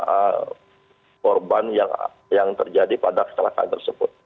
apa korban yang terjadi pada kecelakaan tersebut